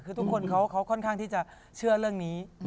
คือทุกคนเขาค่อนข้างที่จะเชื่อเรื่องนี้